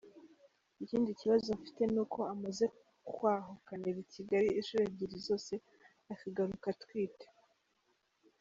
Ikindi kibazo mfite ni uko amaze kwahukanira i Kigali inshuro ebyiri zose akagaruka atwite.